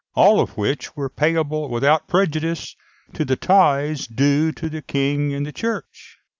all of which were payable without prejudice to the tithes due to the King and the Church.